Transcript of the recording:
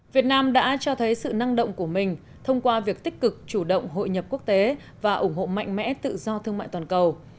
việt nam đã cho thấy sự năng động của mình thông qua việc tích cực chủ động hội nhập quốc tế và ủng hộ mạnh mẽ tự do thương mại toàn cầu